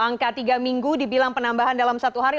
angka tiga minggu dibilang penambahan dalam satu hari